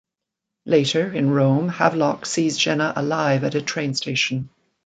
Later, in Rome, Havelock sees Jenna alive at a train station.